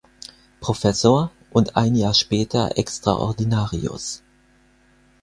Professor und ein Jahr später Extraordinarius.